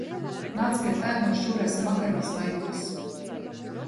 Nāc pie tēta, un šķūrēsim vakariņas vaigos!